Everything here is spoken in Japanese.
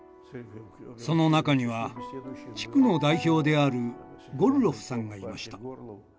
その中には地区の代表であるゴルロフさんがいました。